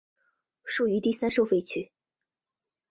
属于第三收费区。